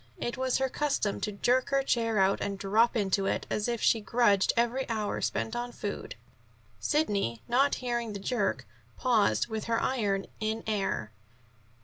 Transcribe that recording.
It was her custom to jerk her chair out and drop into it, as if she grudged every hour spent on food. Sidney, not hearing the jerk, paused with her iron in air.